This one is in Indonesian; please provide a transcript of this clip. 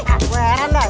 ah gue heran dah